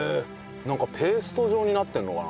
なんかペースト状になってるのかな？